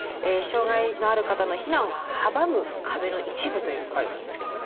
障害のある方の避難を阻む壁の一部ということなんですけども。